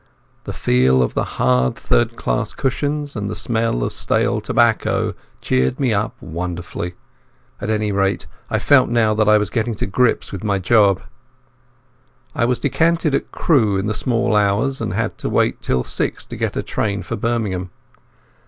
The feel of the hard third class cushions and the smell of stale tobacco cheered me up wonderfully. At any rate, I felt now that I was getting to grips with my job. I was decanted at Crewe in the small hours and had to wait till six to get a train for Birmingham.